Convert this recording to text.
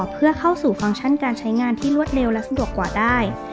เพื่อเข้าสู่ฟังก์ชั่นการใช้งานที่รวดเร็วและสะดวกกว่าได้